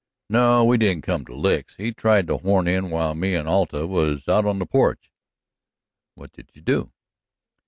"No, we didn't come to licks. He tried to horn in while me and Alta was out on the porch." "What did you do?"